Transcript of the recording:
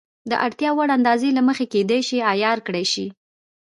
د اړتیا وړ اندازې له مخې کېدای شي عیار کړای شي.